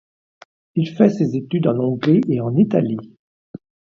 Il fait ses études en Hongrie et en Italie.